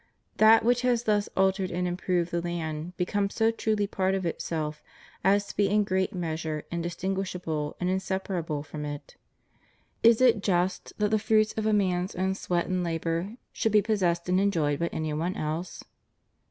That which has thus altered and improved the land becomes so truly part of itself as to be in great measure indistinguishable and inseparable from it. Is it just that the fruit of a man's own sweat and labor should be possessed and enjoyed by any one else?